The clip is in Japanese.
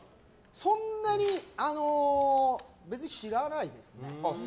そんなに知らないですね。